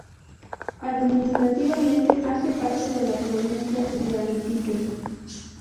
Administrativamente hace parte de la Provincia de Antique.